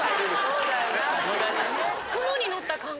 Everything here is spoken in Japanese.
そうだよな。